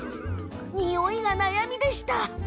においが悩みでした。